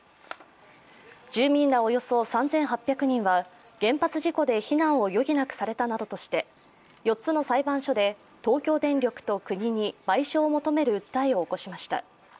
住民らおよそ３８００人は原発事故で避難を余儀なくされたなどとして４つの裁判所で東京電力と国に賠償を求める訴えを起こしました。